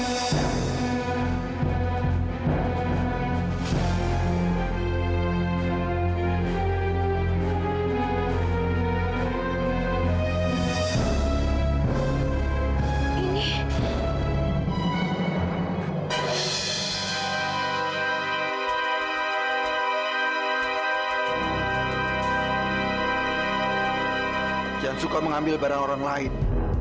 jangan suka mengambil barang orang lain